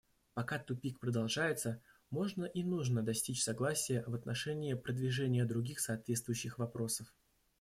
Пока тупик продолжается, можно и нужно достичь согласия в отношении продвижения других соответствующих вопросов.